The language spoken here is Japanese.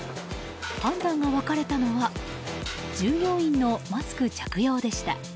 判断が分かれたのは従業員のマスク着用でした。